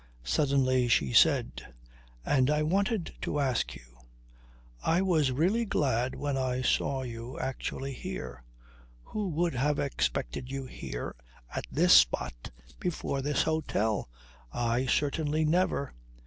Suddenly she said: "And I wanted to ask you ... I was really glad when I saw you actually here. Who would have expected you here, at this spot, before this hotel! I certainly never